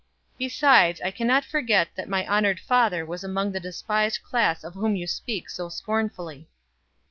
Besides, I can not forget that my honored father was among the despised class of whom you speak so scornfully."